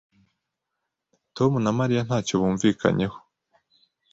Tom na Mariya ntacyo bumvikanyeho.